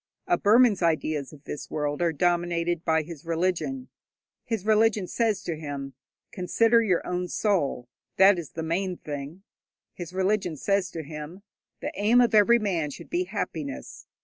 A Burman's ideas of this world are dominated by his religion. His religion says to him, 'Consider your own soul, that is the main thing.' His religion says to him, 'The aim of every man should be happiness.'